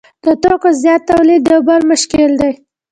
د توکو زیات تولید یو بل مشکل دی